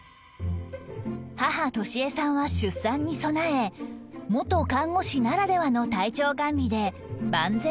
母利江さんは出産に備え元看護師ならではの体調管理で万全の状態